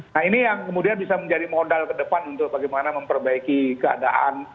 nah ini yang kemudian bisa menjadi modal ke depan untuk bagaimana memperbaiki keadaan